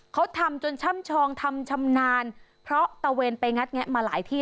เขาทำจนช่ำชองทำชำนาญเพราะตะเวนไปงัดแงะมาหลายที่